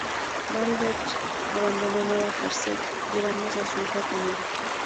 Mary Beth abandonó Nueva Jersey llevándose a su hija con ella.